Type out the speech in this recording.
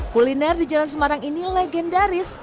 kuliner di jalan semarang ini legendaris